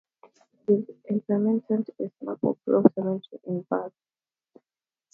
His interment is in Maple Grove Cemetery in Bath.